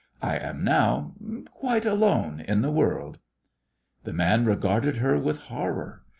I am now quite alone in the world." The man regarded her with horror.